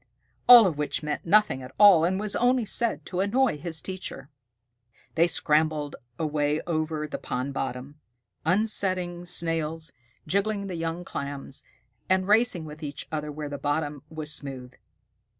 All of which meant nothing at all and was only said to annoy his teacher. They scrambled away over the pond bottom, upsetting Snails, jiggling the young Clams, and racing with each other where the bottom was smooth.